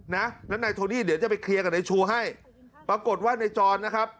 นะแล้วนายโทนี่เดี๋ยวจะไปเคลียร์กับนายชูให้ปรากฏว่านายจรนะครับ